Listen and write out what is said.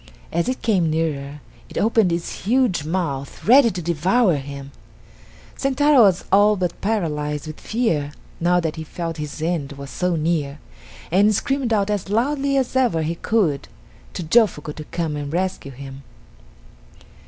As it came nearer it opened its huge mouth ready to devour him. Sentaro was all but paralyzed with fear now that he felt his end so near, and screamed out as loudly as ever he could to Jofuku to come and rescue him.